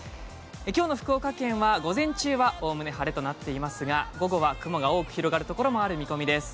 今日の福岡県は午前中はおおむね晴れとなっていますが、午後は雲が多く広がる所もある見込みです。